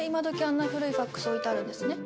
あんな古いファクス置いてあるんですね。